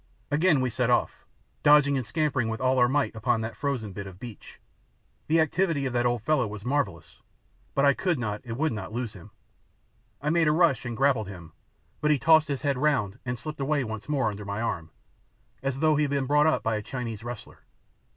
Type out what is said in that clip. Again we set off, dodging and scampering with all our might upon that frozen bit of beach. The activity of that old fellow was marvellous, but I could not and would not lose him. I made a rush and grappled him, but he tossed his head round and slipped away once more under my arm, as though he had been brought up by a Chinese wrestler.